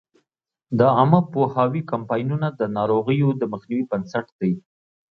د عامه پوهاوي کمپاینونه د ناروغیو د مخنیوي بنسټ دی.